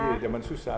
iya jaman susah